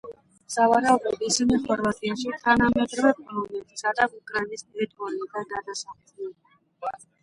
სავარაუდოდ ისინი ხორვატიაში თანამედროვე პოლონეთისა და უკრაინის ტერიტორიიდან გადასახლდნენ.